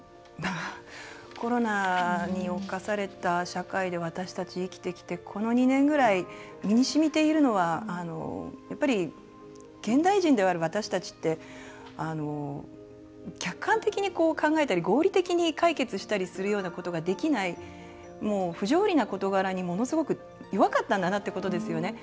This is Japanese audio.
コロナに侵された社会で私たち生きてきてこの２年くらい身にしみているのは現代人である私たちって客観的に考えたり合理的に解決することができない不条理な事柄にものすごく弱かったんだなっていうことですよね。